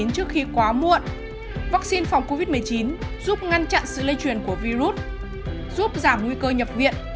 trước khi quá muộn vaccine phòng covid một mươi chín giúp ngăn chặn sự lây truyền của virus giúp giảm nguy cơ nhập viện